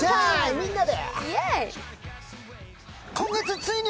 みんなで！